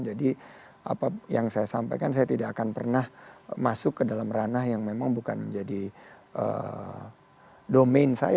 jadi apa yang saya sampaikan saya tidak akan pernah masuk ke dalam ranah yang memang bukan menjadi domain saya